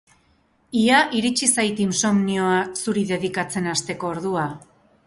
Ia iritsi zait insomnioa zuri dedikatzen hasteko ordua